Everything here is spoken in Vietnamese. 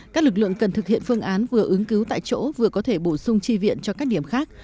các lực lượng cần thực hiện phương án vừa ứng cứu tại chỗ vừa có thể bổ sung tri viện cho các điểm khác